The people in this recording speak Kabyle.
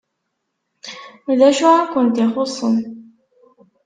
D acu i kent-ixuṣṣen?